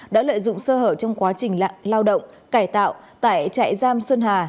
đã lợi dụng sơ hở trong quá trình lao động cải tạo tại trại giam xuân hà